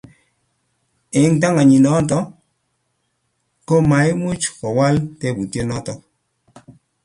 eng tanganyindo nyu ko maimuch kowal tebutiet notok